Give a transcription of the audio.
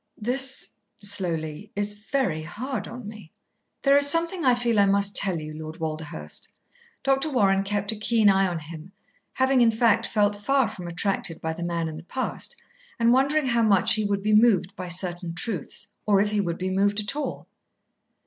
"This," slowly, "is very hard on me." "There is something I feel I must tell you, Lord Walderhurst." Dr. Warren kept a keen eye on him, having, in fact, felt far from attracted by the man in the past, and wondering how much he would be moved by certain truths, or if he would be moved at all.